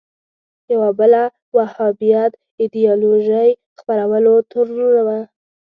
یوه بله وهابیت ایدیالوژۍ خپرولو تورنوله